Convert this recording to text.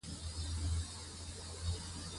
ازادي راډیو د کډوال اړوند مرکې کړي.